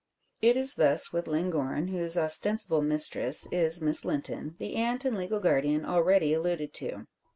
It is thus with Llangorren, whose ostensible mistress is Miss Linton, the aunt and legal guardian already alluded to.